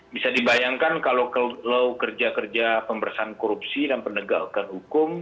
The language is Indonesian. bisa dibayangkan kalau kerja kerja pembersihan korupsi dan penegakan hukum